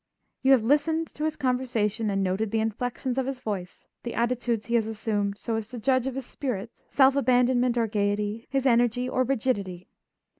You have listened to his conversation and noted the inflexions of his voice, the attitudes he has assumed, so as to judge of his spirit, self abandonment or gayety, his energy or his rigidity.